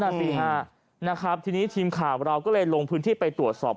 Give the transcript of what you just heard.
สิฮะนะครับทีนี้ทีมข่าวเราก็เลยลงพื้นที่ไปตรวจสอบ